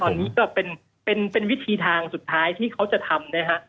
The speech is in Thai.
ตอนนี้ก็เป็นวิธีทางสุดท้ายที่เขาจะทำนะฮะ